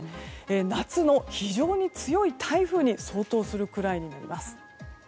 夏の非常に強い台風に相当するくらいになります。